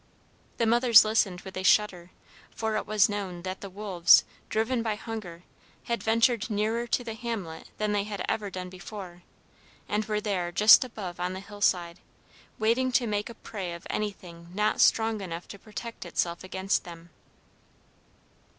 The mothers listened with a shudder, for it was known that the wolves, driven by hunger, had ventured nearer to the hamlet than they had ever before done, and were there just above on the hillside, waiting to make a prey of anything not strong enough to protect itself against them.